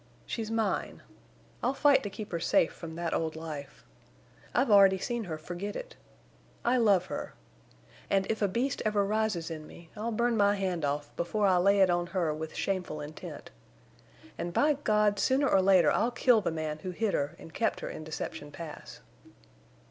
She's mine. I'll fight to keep her safe from that old life. I've already seen her forget it. I love her. And if a beast ever rises in me I'll burn my hand off before I lay it on her with shameful intent. And, by God! sooner or later I'll kill the man who hid her and kept her in Deception Pass!"